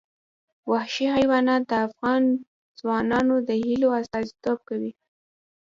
وحشي حیوانات د افغان ځوانانو د هیلو استازیتوب کوي.